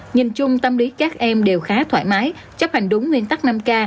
nhìn chung tâm lý các em đều khá thoải mái chấp hành đúng nguyên tắc năm k